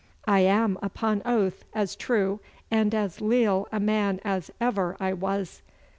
'I am upon oath as true and as leal a man as ever I was.